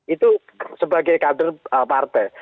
itu sebagai kader partai